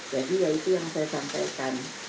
jadi ya itu yang saya sampaikan